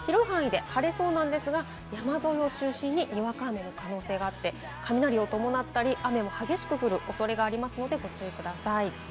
広い範囲で晴れそうなんですが、山沿いを中心ににわか雨の可能性があって、雷を伴ったり、雨が激しく降るおそれがありますのでご注意ください。